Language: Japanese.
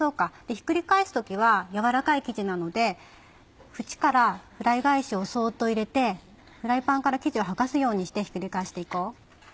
ひっくり返す時はやわらかい生地なので縁からフライ返しをそっと入れてフライパンから生地を剥がすようにしてひっくり返していこう。